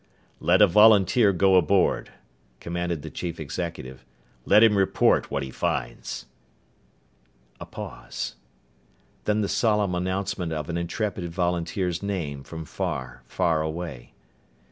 "Let a volunteer go aboard," commanded the chief executive. "Let him report what he finds." A pause. Then the solemn announcement of an intrepid volunteer's name, from far, far away.